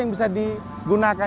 yang bisa digunakan